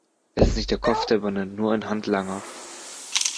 Er ist nicht der Kopf der Bande, nur ein Handlanger.